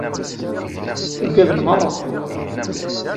Ugaden meṛṛa.